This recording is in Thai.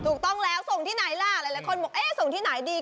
ถูกต้องแล้วส่งที่ไหนล่ะหลายคนบอกเอ๊ะส่งที่ไหนดี